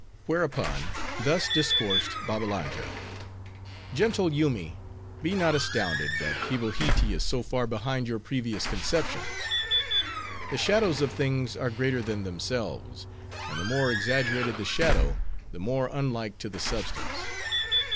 Whereupon thus discoursed Babbalanja: "Gentle Yoomy, be not astounded, that Hivohitee is so far behind your previous conceptions. The shadows of things are greater than themselves; and the more exaggerated the shadow, the more unlike to the substance."